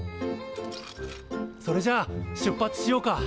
それじゃ出発しようか。